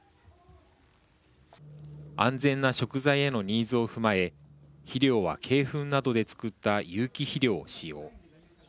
安全な食材へのニーズを踏まえ肥料は、鶏ふんなどで作った有機肥料を使用。